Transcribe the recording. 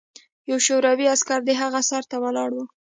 یو شوروي عسکر د هغه سر ته ولاړ و